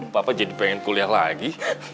papa jadi pengen kuliah lagi